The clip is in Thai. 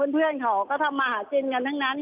เพื่อนเขาก็ทำมาหากินกันทั้งนั้น